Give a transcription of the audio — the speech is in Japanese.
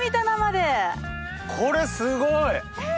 これすごい！